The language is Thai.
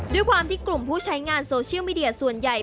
ด้วยความที่กลุ่มผู้ใช้งานโซเชียลมีเดียส่วนใหญ่